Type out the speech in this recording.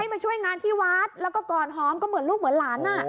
มาช่วยงานที่วัดแล้วก็ก่อนหอมก็เหมือนลูกเหมือนหลาน